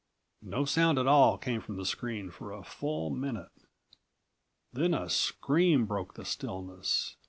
No sound at all came from the screen for a full minute. Then a scream broke the stillness.